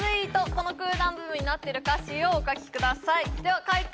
この空欄部分になっている歌詞をお書きくださいでは解答